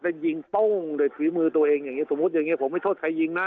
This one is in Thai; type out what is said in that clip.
ได้ยิงต้งโดยฝีมือตัวเองอย่างเงี้ยสมมุติอย่างเงี้ยผมไม่โทษใครยิงนะ